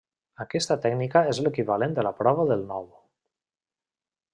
Aquesta tècnica és l'equivalent de la prova del nou.